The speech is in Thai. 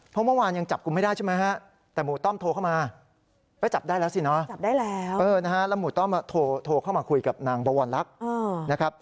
เมื่อวานยังจับกูไม่ได้ใช่ไหมฮะ